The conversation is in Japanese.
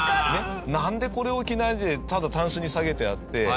なんでこれを着ないでただタンスに下げてあって。